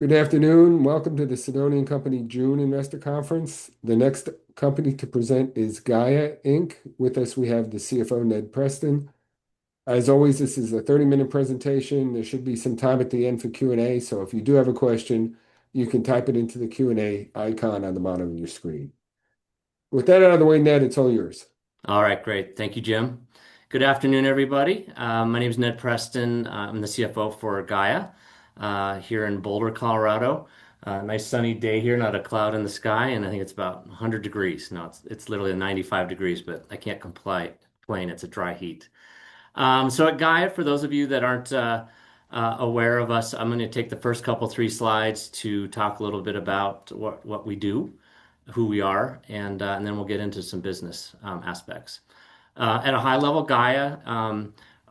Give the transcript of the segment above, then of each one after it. Good afternoon. Welcome to the Sidoti & Company June Investor Conference. The next company to present is Gaia, Inc. With us, we have the CFO, Ned Preston. As always, this is a 30-minute presentation. There should be some time at the end for Q&A, so if you do have a question, you can type it into the Q&A icon on the bottom of your screen. With that out of the way, Ned, it's all yours. All right, great. Thank you, Jim. Good afternoon, everybody. My name's Ned Preston. I'm the CFO for Gaia here in Boulder, Colorado. Nice sunny day here, not a cloud in the sky, and I think it's about 100 degrees. No, it's literally 95 degrees, but I can't complain. It's a dry heat. Gaia, for those of you that aren't aware of us, I'm going to take the first couple three slides to talk a little bit about what we do, who we are, and then we'll get into some business aspects. At a high level, Gaia,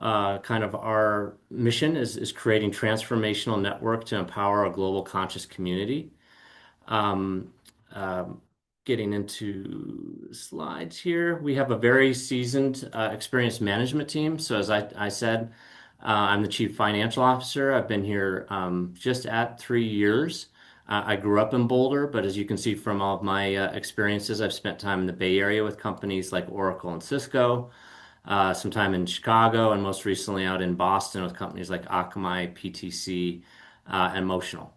our mission is creating transformational network to empower a global conscious community. Getting into slides here. We have a very seasoned, experienced management team. As I said, I'm the Chief Financial Officer. I've been here just at three years. I grew up in Boulder, but as you can see from all of my experiences, I've spent time in the Bay Area with companies like Oracle and Cisco, some time in Chicago, and most recently out in Boston with companies like Akamai, PTC, and Motional.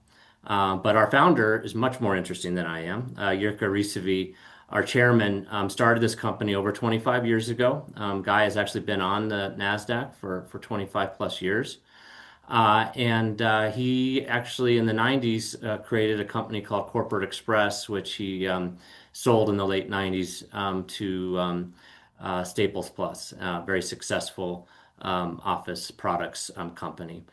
Our founder is much more interesting than I am. Jirka Rysavy, our Chairman, started this company over 25 years ago. Gaia's actually been on the NASDAQ for 25 plus years. He actually, in the '90s, created a company called Corporate Express, which he sold in the late 1990s to Staples Plus, a very successful office products company.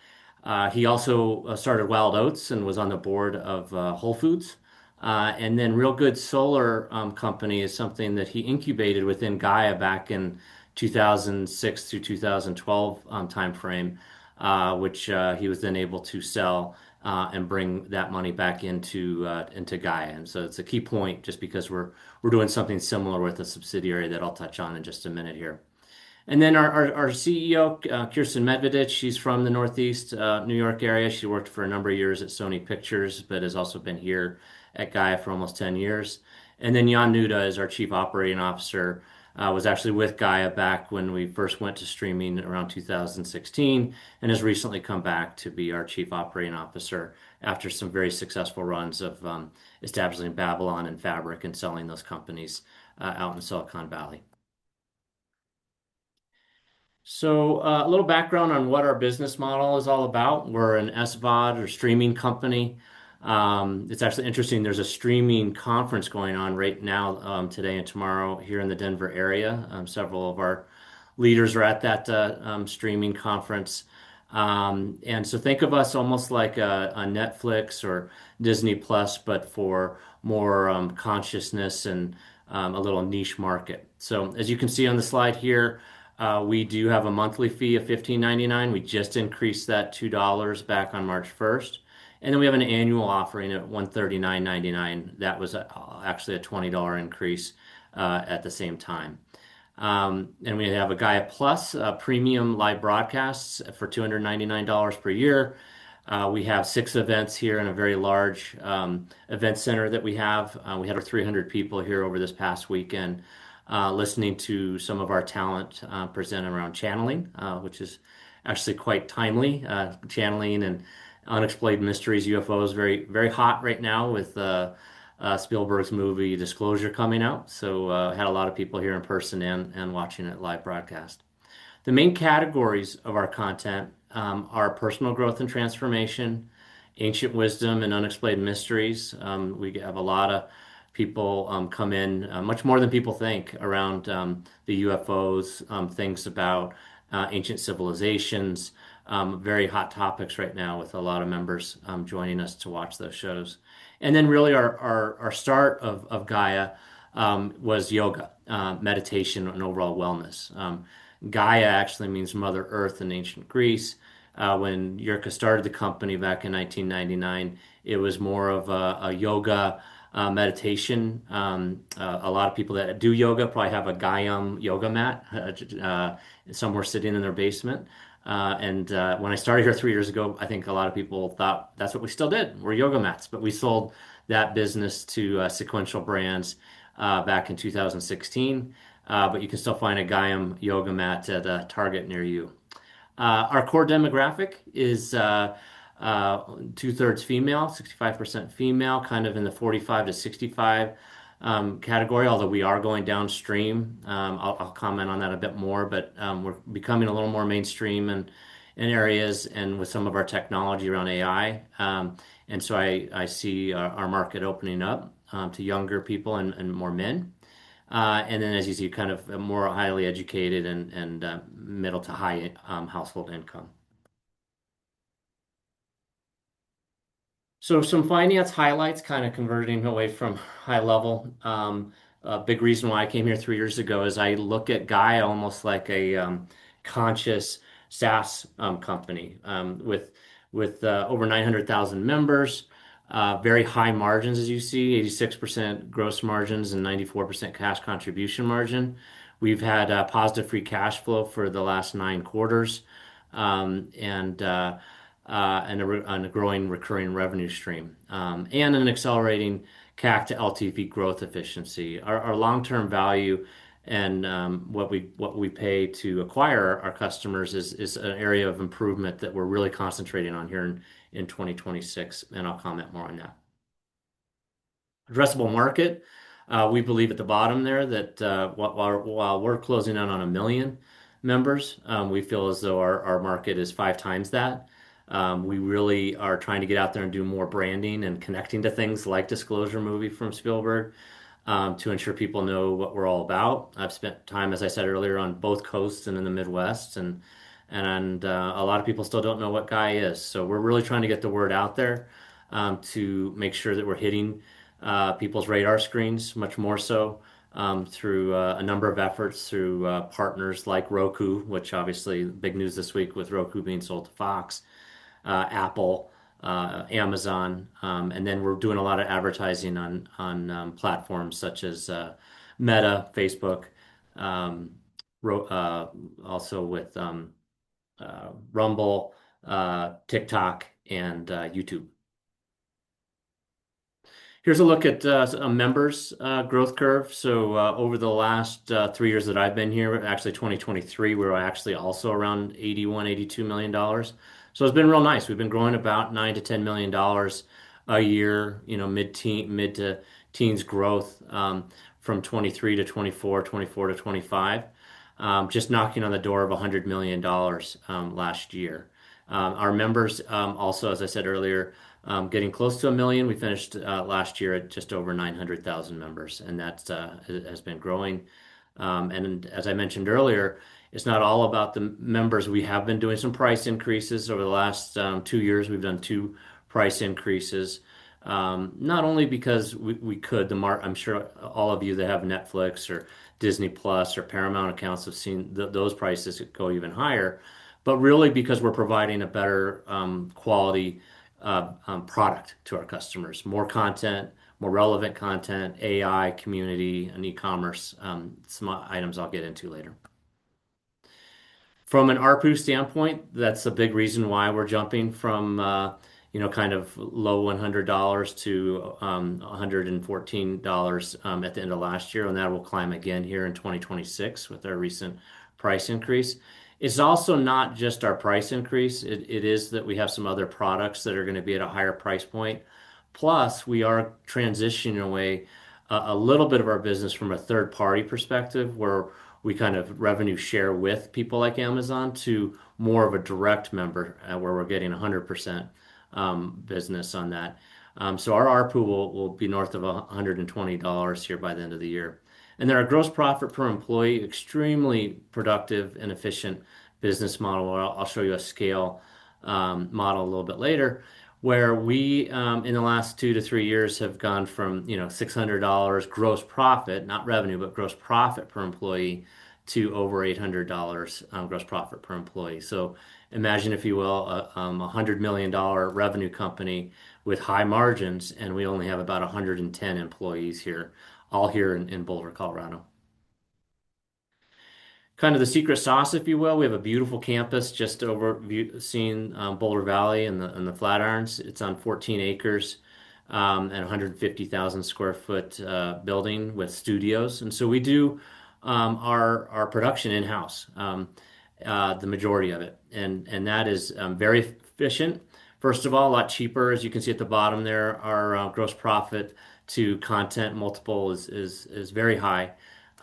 He also started Wild Oats and was on the board of Whole Foods. Real Goods Solar company is something that he incubated within Gaia back in 2006 through 2012 timeframe, which he was then able to sell and bring that money back into Gaia. It's a key point just because we're doing something similar with a subsidiary that I'll touch on in just a minute here. Our CEO, Kiersten Medvedich, she's from the Northeast New York area. She worked for a number of years at Sony Pictures but has also been here at Gaia for almost 10 years. Yonathan Nuta is our Chief Operating Officer, was actually with Gaia back when we first went to streaming around 2016 and has recently come back to be our Chief Operating Officer after some very successful runs of establishing Babylon and Fabric and selling those companies out in Silicon Valley. A little background on what our business model is all about. We're an SVOD or streaming company. It's actually interesting, there's a streaming conference going on right now, today and tomorrow, here in the Denver area. Several of our leaders are at that streaming conference. Think of us almost like a Netflix or Disney+ but for more consciousness and a little niche market. As you can see on the slide here, we do have a monthly fee of $15.99. We just increased that $2 back on March 1st. We have an annual offering at $139.99. That was actually a $20 increase at the same time. We have a Gaia+ premium live broadcasts for $299 per year. We have six events here in a very large event center that we have. We had over 300 people here over this past weekend listening to some of our talent present around channeling, which is actually quite timely. Channeling and unexplained mysteries, UFOs, very hot right now with Spielberg's movie "Disclosure" coming out. Had a lot of people here in person and watching it live broadcast. The main categories of our content are personal growth and transformation, ancient wisdom, and unexplained mysteries. We have a lot of people come in, much more than people think, around the UFOs, things about ancient civilizations. Very hot topics right now with a lot of members joining us to watch those shows. Really our start of Gaia was yoga, meditation, and overall wellness. Gaia actually means Mother Earth in ancient Greece. When Jirka started the company back in 1999, it was more of a yoga meditation. A lot of people that do yoga probably have a Gaiam yoga mat somewhere sitting in their basement. When I started here three years ago, I think a lot of people thought that's what we still did. We're yoga mats. We sold that business to Sequential Brands back in 2016. You can still find a Gaiam yoga mat at a Target near you. Our core demographic is two-thirds female, 65% female, kind of in the 45 - 65 category, although we are going downstream. I'll comment on that a bit more, but we're becoming a little more mainstream in areas and with some of our technology around AI. I see our market opening up to younger people and more men. As you see, kind of a more highly educated and middle to high household income. Some finance highlights, kind of converting away from high level. A big reason why I came here three years ago is I look at Gaia almost like a conscious SaaS company. With over 900,000 members, very high margins as you see, 86% gross margins and 94% cash contribution margin. We've had a positive free cash flow for the last nine quarters. A growing recurring revenue stream, and an accelerating CAC to LTV growth efficiency. Our long-term value and what we pay to acquire our customers is an area of improvement that we're really concentrating on here in 2026, and I'll comment more on that. Addressable market. We believe at the bottom there that while we're closing in on a million members, we feel as though our market is five times that. We really are trying to get out there and do more branding and connecting to things like "Disclosure" movie from Spielberg, to ensure people know what we're all about. I've spent time, as I said earlier, on both coasts and in the Midwest, and a lot of people still don't know what Gaia is. We're really trying to get the word out there, to make sure that we're hitting people's radar screens much more so through a number of efforts, through partners like Roku, which obviously big news this week with Roku being sold to Fox, Apple, Amazon. We're doing a lot of advertising on platforms such as Meta, Facebook, also with Rumble, TikTok, and YouTube. Here's a look at a members growth curve. Over the last three years that I've been here, actually 2023, we're actually also around $81 million-$82 million. It's been real nice. We've been growing about $9 million-$10 million a year, mid to teens growth, from 2023 to 2024 to 2025. Just knocking on the door of $100 million last year. Our members, also as I said earlier, getting close to a million. We finished last year at just over 900,000 members, and that has been growing. As I mentioned earlier, it's not all about the members. We have been doing some price increases over the last two years. We've done two price increases. Not only because we could, I'm sure all of you that have Netflix or Disney+ or Paramount accounts have seen those prices go even higher, but really because we're providing a better quality product to our customers. More content, more relevant content, AI, community, and e-commerce. Some items I'll get into later. From an ARPU standpoint, that's a big reason why we're jumping from low $100-$114 at the end of last year, and that will climb again here in 2026 with our recent price increase. It's also not just our price increase, it is that we have some other products that are going to be at a higher price point. We are transitioning away a little bit of our business from a third-party perspective, where we revenue share with people like Amazon, to more of a direct member, where we're getting 100% business on that. Our ARPU will be north of $120 here by the end of the year. Our gross profit per employee, extremely productive and efficient business model. I'll show you a scale model a little bit later, where we, in the last two to three years, have gone from $600 gross profit, not revenue, but gross profit per employee, to over $800 gross profit per employee. Imagine, if you will, a $100 million revenue company with high margins, and we only have about 110 employees here, all here in Boulder, Colorado. Kind of the secret sauce, if you will. We have a beautiful campus just over seeing Boulder Valley and the Flatirons. It's on 14 acres, and 150,000 sq ft building with studios. We do our production in-house, the majority of it, and that is very efficient. First of all, a lot cheaper. As you can see at the bottom there, our gross profit to content multiple is very high.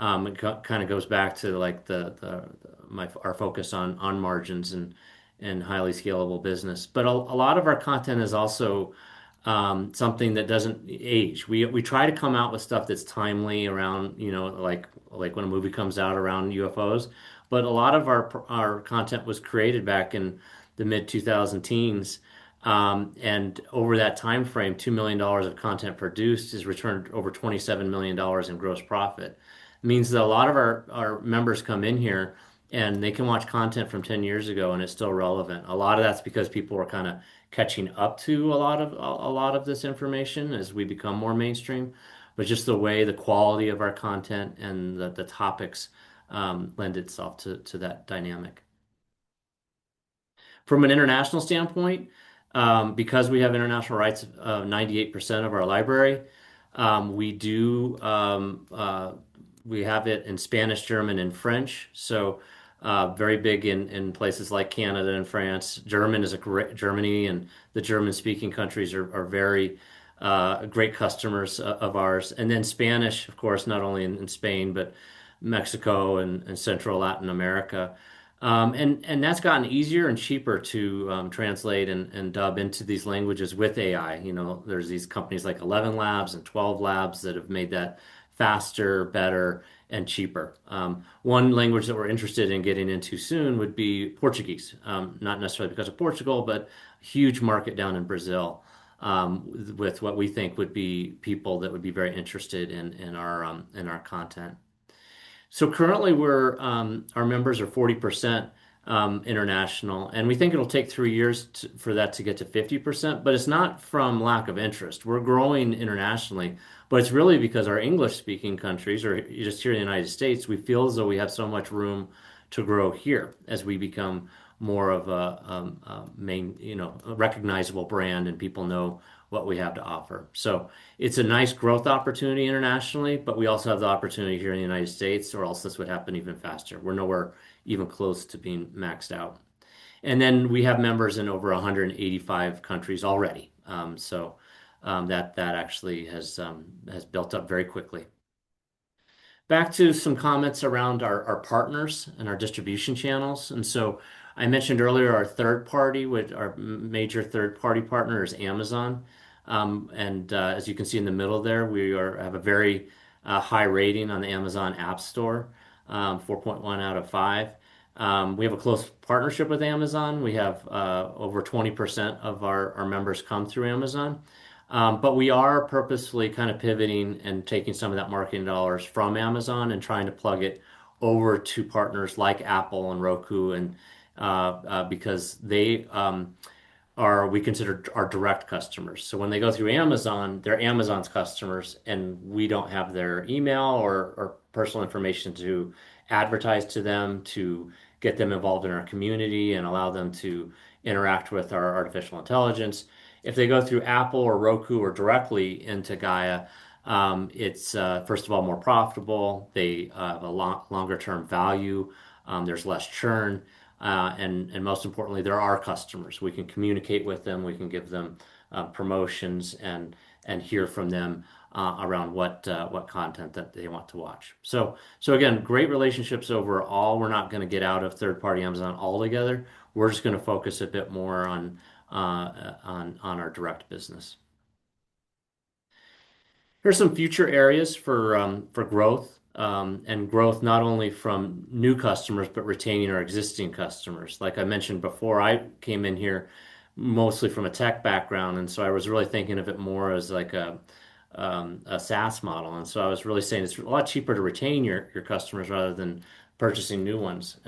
It goes back to our focus on margins and highly scalable business. A lot of our content is also something that doesn't age. We try to come out with stuff that's timely around when a movie comes out around UFOs. A lot of our content was created back in the mid-2000 teens. Over that timeframe, $2 million of content produced has returned over $27 million in gross profit. Means that a lot of our members come in here, and they can watch content from 10 years ago, and it's still relevant. A lot of that's because people are catching up to a lot of this information as we become more mainstream. Just the way the quality of our content and the topics lend itself to that dynamic. From an international standpoint, because we have international rights of 98% of our library, we have it in Spanish, German, and French, so very big in places like Canada and France. Germany and the German-speaking countries are very great customers of ours. Spanish, of course, not only in Spain, but Mexico and Central Latin America. That's gotten easier and cheaper to translate and dub into these languages with AI. There's these companies like ElevenLabs and Twelve Labs that have made that faster, better, and cheaper. One language that we're interested in getting into soon would be Portuguese. Not necessarily because of Portugal, but huge market down in Brazil, with what we think would be people that would be very interested in our content. Currently our members are 40% international, and we think it'll take three years for that to get to 50%, but it's not from lack of interest. We're growing internationally, but it's really because our English-speaking countries, or just here in the U.S., we feel as though we have so much room to grow here as we become more of a recognizable brand and people know what we have to offer. It's a nice growth opportunity internationally, but we also have the opportunity here in the U.S., or else this would happen even faster. We're nowhere even close to being maxed out. We have members in over 185 countries already. That actually has built up very quickly. Back to some comments around our partners and our distribution channels. I mentioned earlier our third party, our major third-party partner is Amazon. As you can see in the middle there, we have a very high rating on the Amazon Appstore, 4.1 out of five. We have a close partnership with Amazon. We have over 20% of our members come through Amazon. We are purposefully pivoting and taking some of that marketing dollars from Amazon and trying to plug it over to partners like Apple and Roku, because they are, we consider, our direct customers. When they go through Amazon, they're Amazon's customers, and we don't have their email or personal information to advertise to them, to get them involved in our community and allow them to interact with our artificial intelligence. If they go through Apple or Roku or directly into Gaia, it's, first of all, more profitable. They have a longer-term value. There's less churn. Most importantly, they're our customers. We can communicate with them. We can give them promotions and hear from them around what content that they want to watch. Again, great relationships overall. We're not going to get out of third-party Amazon altogether. We're just going to focus a bit more on our direct business. Here's some future areas for growth, and growth not only from new customers, but retaining our existing customers. Like I mentioned before, I came in here mostly from a tech background, so I was really thinking of it more as like a SaaS model. I was really saying it's a lot cheaper to retain your customers rather than purchasing new ones.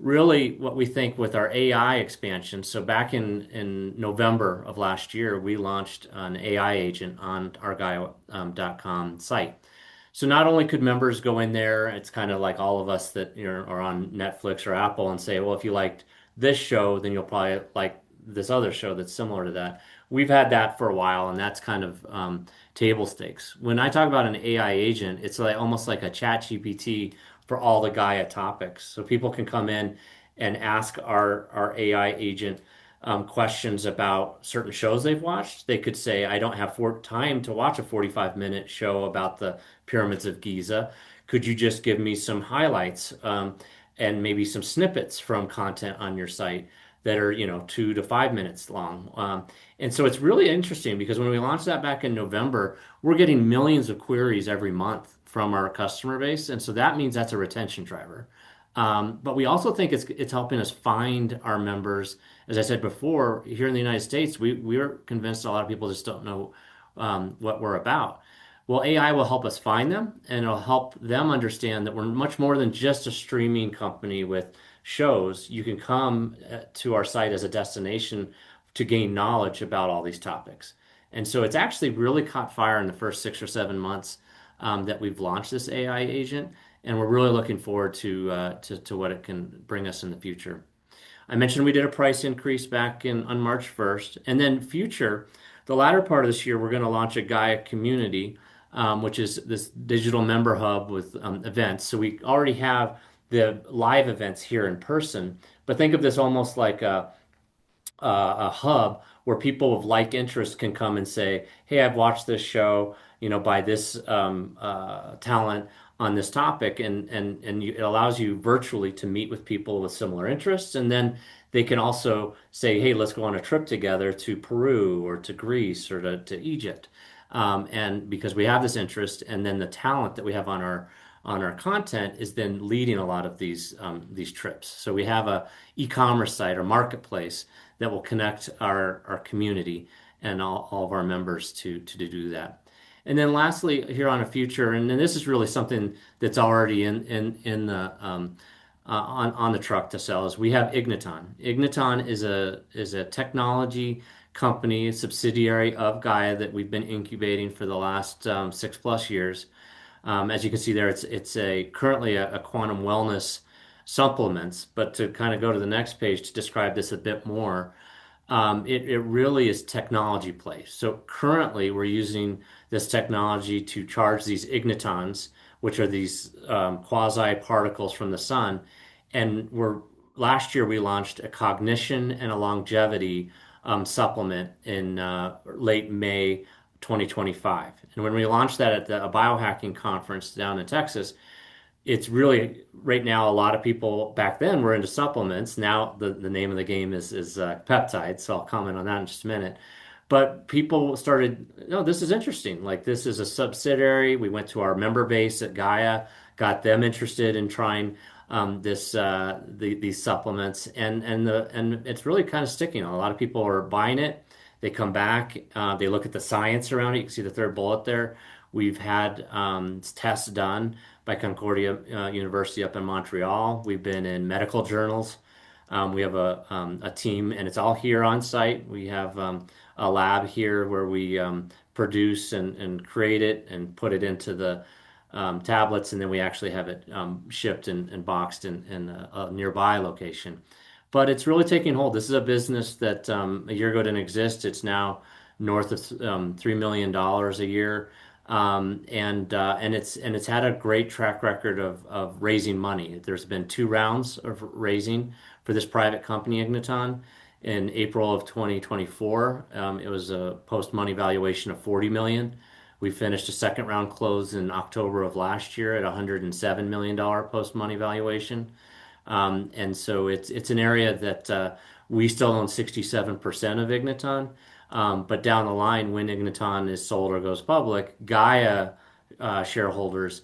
Really what we think with our AI expansion, back in November of last year, we launched an AI agent on our gaia.com site. Not only could members go in there, it's kind of like all of us that are on Netflix or Apple and say, "Well, if you liked this show, then you'll probably like this other show that's similar to that." We've had that for a while, and that's kind of table stakes. When I talk about an AI agent, it's almost like a ChatGPT for all the Gaia topics. People can come in and ask our AI agent questions about certain shows they've watched. They could say, "I don't have time to watch a 45-minute show about the pyramids of Giza. Could you just give me some highlights, and maybe some snippets from content on your site that are two to five minutes long?" It's really interesting because when we launched that back in November, we're getting millions of queries every month from our customer base, that means that's a retention driver. We also think it's helping us find our members. As I said before, here in the U.S., we're convinced a lot of people just don't know what we're about. Well, AI will help us find them, and it'll help them understand that we're much more than just a streaming company with shows. You can come to our site as a destination to gain knowledge about all these topics. It's actually really caught fire in the first six or seven months that we've launched this AI agent, and we're really looking forward to what it can bring us in the future. I mentioned we did a price increase back on March 1st, the latter part of this year, we're going to launch a Gaia community, which is this digital member hub with events. We already have the live events here in person. Think of this almost like a hub where people of like interests can come and say, "Hey, I've watched this show by this talent on this topic." It allows you virtually to meet with people with similar interests. They can also say, "Hey, let's go on a trip together to Peru or to Greece or to Egypt." Because we have this interest and then the talent that we have on our content is then leading a lot of these trips. We have an e-commerce site or marketplace that will connect our community and all of our members to do that. Lastly here on the future, this is really something that's already on the truck to sell, is we have Igniton. Igniton is a technology company subsidiary of Gaia that we've been incubating for the last six-plus years. As you can see there, it's currently a quantum wellness supplements. To kind of go to the next page to describe this a bit more, it really is technology placed. Currently we're using this technology to charge these ignitons, which are these quasi particles from the sun. Last year we launched a cognition and a longevity supplement in late May 2025. When we launched that at a biohacking conference down in Texas, it's really right now, a lot of people back then were into supplements. Now, the name of the game is Peptides. I'll comment on that in just a minute. People started, "No, this is interesting." This is a subsidiary. We went to our member base at Gaia, got them interested in trying these supplements, and it's really sticking. A lot of people are buying it. They come back, they look at the science around it. You can see the third bullet there. We've had tests done by Concordia University up in Montreal. We've been in medical journals. We have a team, it's all here on site. We have a lab here where we produce and create it, put it into the tablets, we actually have it shipped and boxed in a nearby location. It's really taking hold. This is a business that a year ago didn't exist. It's now north of $3 million a year. It's had a great track record of raising money. There's been two rounds of raising for this private company, Igniton, in April of 2024. It was a post-money valuation of $40 million. We finished a second round close in October of last year at $107 million post-money valuation. It's an area that we still own 67% of Igniton. Down the line, when Igniton is sold or goes public, Gaia shareholders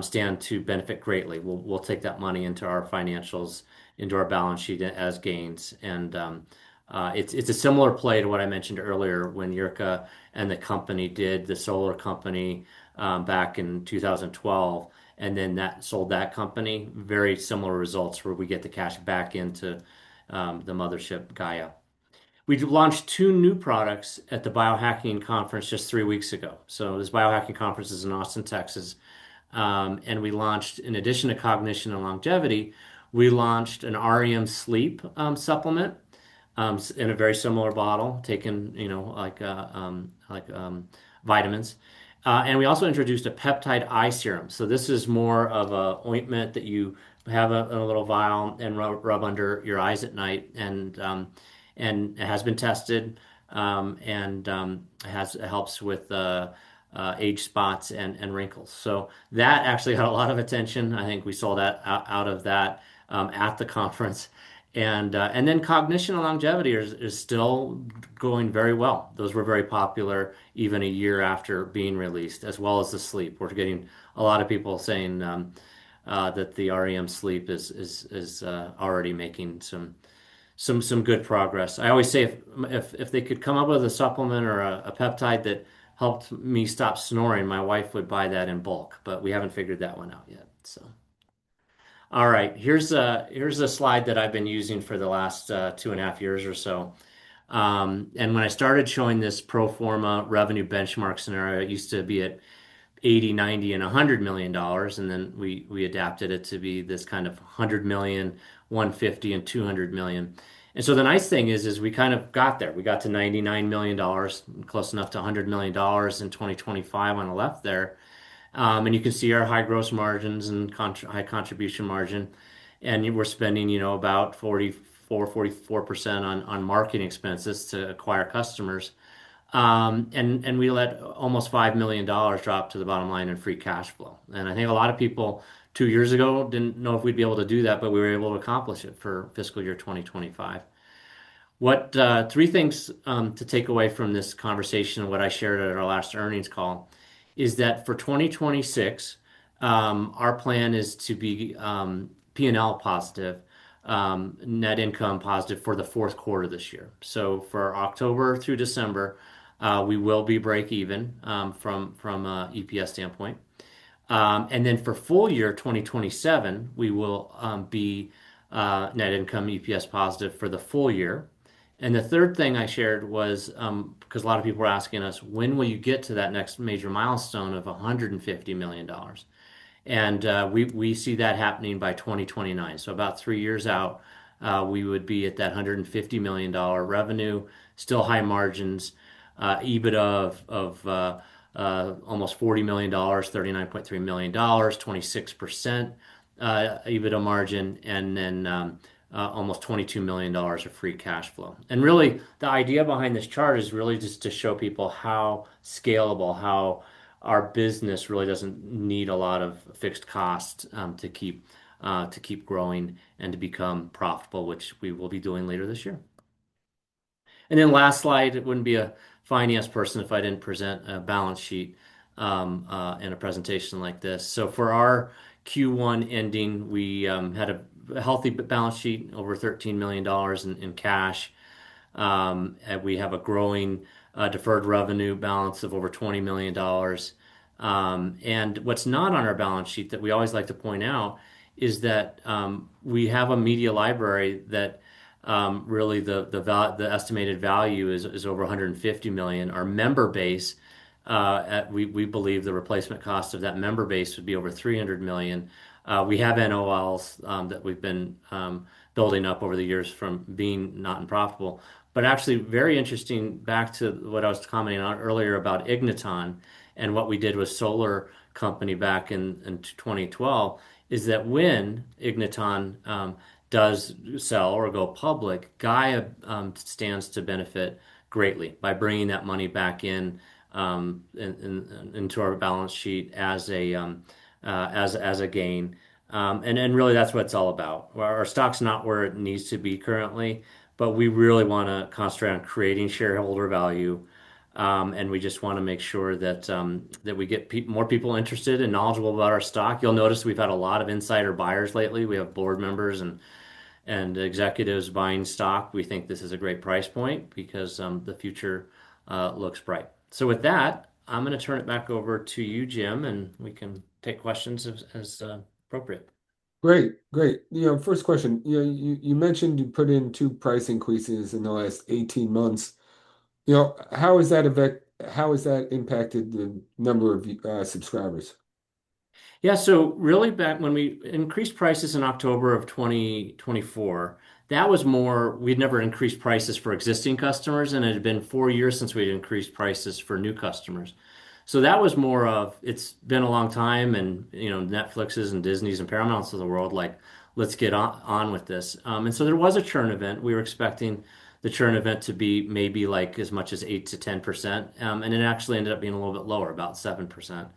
stand to benefit greatly. We'll take that money into our financials, into our balance sheet as gains. It's a similar play to what I mentioned earlier when Jirka and the company did the solar company back in 2012, sold that company. Very similar results where we get the cash back into the mothership, Gaia. We've launched two new products at the Biohacking Conference just three weeks ago. This Biohacking Conference is in Austin, Texas. We launched in addition to cognition and longevity, we launched an REM sleep supplement in a very similar bottle, taken like vitamins. We also introduced a peptide eye serum. This is more of an ointment that you have in a little vial and rub under your eyes at night. It has been tested, it helps with age spots and wrinkles. That actually got a lot of attention. I think we sold out of that at the conference. Cognition and longevity is still going very well. Those were very popular, even a year after being released, as well as the sleep. We're getting a lot of people saying that the REM sleep is already making some good progress. I always say if they could come up with a supplement or a peptide that helped me stop snoring, my wife would buy that in bulk. We haven't figured that one out yet. All right. Here's a slide that I've been using for the last two and a half years or so. When I started showing this pro forma revenue benchmark scenario, it used to be at $80 million, $90 million, and $100 million, we adapted it to be this kind of $100 million, $150 million, and $200 million. The nice thing is, we got there. We got to $99 million, close enough to $100 million in 2025 on the left there. You can see our high gross margins and high contribution margin. We're spending about 44% on marketing expenses to acquire customers. We let almost $5 million drop to the bottom line in free cash flow. I think a lot of people two years ago didn't know if we'd be able to do that, we were able to accomplish it for FY 2025. Three things to take away from this conversation and what I shared at our last earnings call is that for 2026, our plan is to be P&L positive, net income positive for the fourth quarter this year. So for October through December, we will be breakeven from a EPS standpoint. For full year 2027, we will be net income EPS positive for the full year. The third thing I shared was because a lot of people were asking us, "When will you get to that next major milestone of $150 million?" We see that happening by 2029. About three years out, we would be at that $150 million revenue, still high margins, EBITDA of almost $40 million, $39.3 million, 26% EBITDA margin, almost $22 million of free cash flow. Really, the idea behind this chart is really just to show people how scalable, how our business really doesn't need a lot of fixed costs to keep growing and to become profitable, which we will be doing later this year. Last slide, it wouldn't be a finance person if I didn't present a balance sheet in a presentation like this. For our Q1 ending, we had a healthy balance sheet, over $13 million in cash. We have a growing deferred revenue balance of over $20 million. What's not on our balance sheet that we always like to point out is that we have a media library that really the estimated value is over $150 million. Our member base, we believe the replacement cost of that member base would be over $300 million. We have NOLs that we've been building up over the years from being not profitable. Actually, very interesting, back to what I was commenting on earlier about Igniton and what we did with Solar company back in 2012, is that when Igniton does sell or go public, Gaia stands to benefit greatly by bringing that money back in into our balance sheet as a gain. Really, that's what it's all about. Our stock's not where it needs to be currently, but we really want to concentrate on creating shareholder value. We just want to make sure that we get more people interested and knowledgeable about our stock. You'll notice we've had a lot of insider buyers lately. We have board members and executives buying stock. We think this is a great price point because the future looks bright. With that, I'm going to turn it back over to you, Jim, and we can take questions as appropriate. Great. First question. You mentioned you put in 2 price increases in the last 18 months. How has that impacted the number of subscribers? Really back when we increased prices in October of 2024, we'd never increased prices for existing customers, and it had been four years since we'd increased prices for new customers. That was more of, it's been a long time, and Netflix's and Disney's and Paramount's of the world, let's get on with this. There was a churn event. We were expecting the churn event to be maybe as much as 8%-10%, and it actually ended up being a little bit lower, about 7%.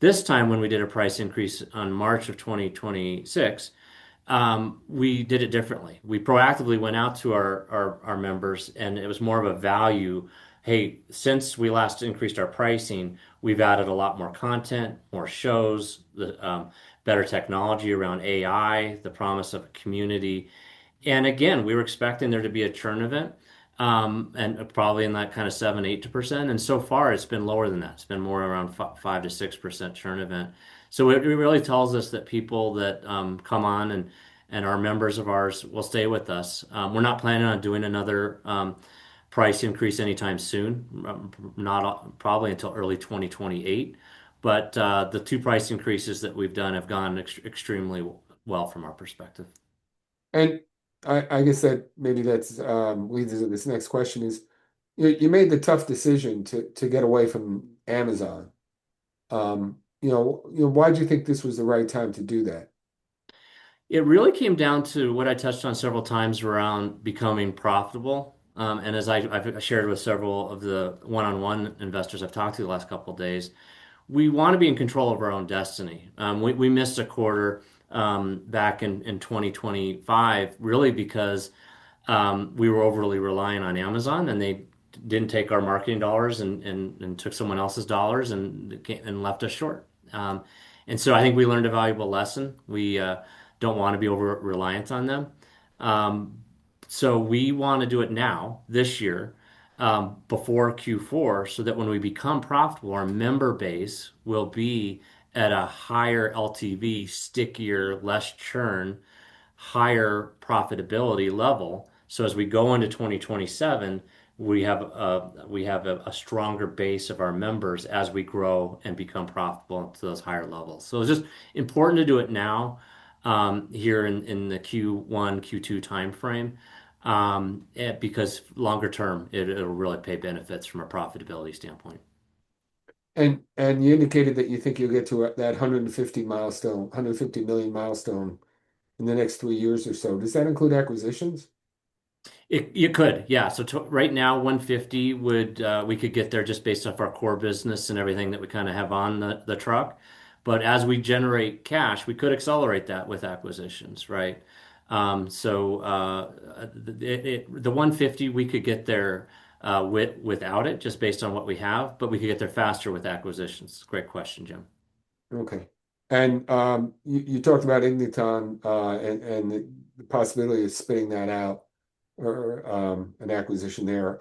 This time, when we did a price increase on March of 2026, we did it differently. We proactively went out to our members, it was more of a value, "Hey, since we last increased our pricing, we've added a lot more content, more shows, better technology around AI, the promise of a community." Again, we were expecting there to be a churn event, and probably in that kind of 7%-8%. So far, it's been lower than that. It's been more around 5%-6% churn event. It really tells us that people that come on and are members of ours will stay with us. We're not planning on doing another price increase anytime soon, not probably until early 2028. The two price increases that we've done have gone extremely well from our perspective. I guess maybe that leads into this next question is, you made the tough decision to get away from Amazon. Why'd you think this was the right time to do that? It really came down to what I touched on several times around becoming profitable. As I've shared with several of the one-on-one investors I've talked to the last couple of days, we want to be in control of our own destiny. We missed a quarter back in 2025, really because we were overly reliant on Amazon, and they didn't take our marketing dollars and took someone else's dollars and left us short. I think we learned a valuable lesson. We don't want to be over-reliant on them. We want to do it now, this year, before Q4, so that when we become profitable, our member base will be at a higher LTV, stickier, less churn, higher profitability level. As we go into 2027, we have a stronger base of our members as we grow and become profitable to those higher levels. It's just important to do it now here in the Q1, Q2 timeframe, because longer term, it'll really pay benefits from a profitability standpoint. You indicated that you think you'll get to that 150 milestone, 150 million milestone in the next three years or so. Does that include acquisitions? It could. Yeah. Right now, $150, we could get there just based off our core business and everything that we have on the truck. As we generate cash, we could accelerate that with acquisitions, right? The $150, we could get there without it, just based on what we have, but we could get there faster with acquisitions. Great question, Jim. Okay. You talked about Igniton, and the possibility of spinning that out or an acquisition there.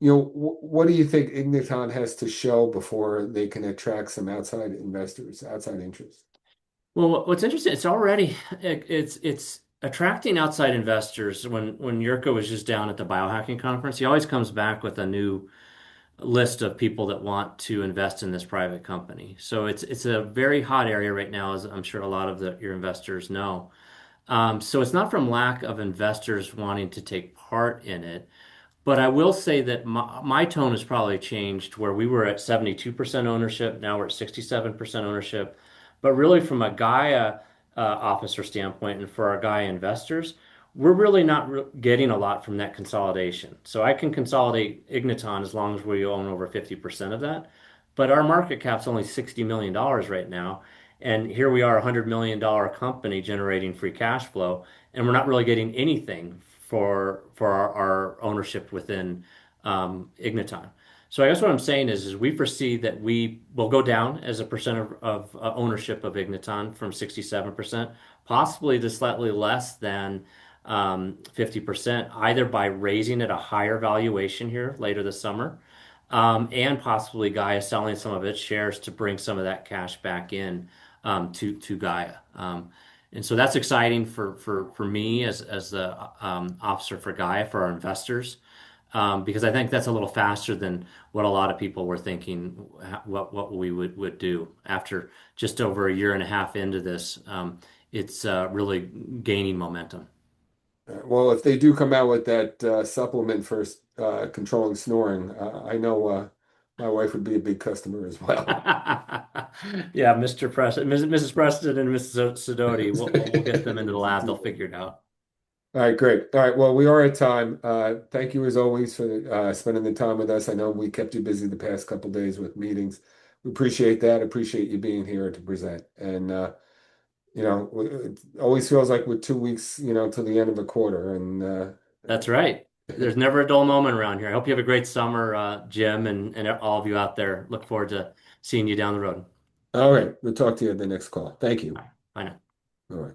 What do you think Igniton has to show before they can attract some outside investors, outside interest? What's interesting, it's attracting outside investors. When Jirka was just down at the biohacking conference, he always comes back with a new list of people that want to invest in this private company. It's a very hot area right now, as I'm sure a lot of your investors know. It's not from lack of investors wanting to take part in it. I will say that my tone has probably changed, where we were at 72% ownership, now we're at 67% ownership. Really from a Gaia officer standpoint and for our Gaia investors, we're really not getting a lot from that consolidation. I can consolidate Igniton as long as we own over 50% of that. Our market cap's only $60 million right now, and here we are, a $100-million company generating free cash flow, and we're not really getting anything for our ownership within Igniton. I guess what I'm saying is, we foresee that we will go down as a percent of ownership of Igniton from 67%, possibly to slightly less than 50%, either by raising at a higher valuation here later this summer, and possibly Gaia selling some of its shares to bring some of that cash back in to Gaia. That's exciting for me as an officer for Gaia, for our investors, because I think that's a little faster than what a lot of people were thinking what we would do after just over a year and a half into this. It's really gaining momentum. Well, if they do come out with that supplement for controlling snoring, I know my wife would be a big customer as well. Yeah. Mrs. Preston and Mrs. Sidoti, we'll get them into the lab. They'll figure it out. All right. Great. All right. Well, we are at time. Thank you as always for spending the time with us. I know we kept you busy the past couple of days with meetings. We appreciate that, appreciate you being here to present. It always feels like we're two weeks to the end of a quarter. That's right. There's never a dull moment around here. I hope you have a great summer, Jim, and all of you out there. Look forward to seeing you down the road. All right. We'll talk to you at the next call. Thank you. Bye. Bye now. All right.